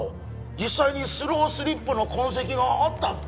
実際にスロースリップの痕跡があったんだ